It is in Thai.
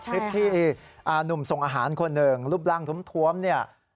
คลิปที่หนุ่มส่งอาหารคนหนึ่งรูปร่างท้วมเนี่ย